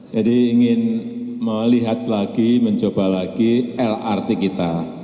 jadi ingin melihat lagi mencoba lagi lrt kita